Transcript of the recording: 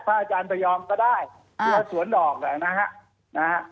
ภ่าอาจารย์ภัยยอมก็ได้และสวนดอกเลยนะฮะ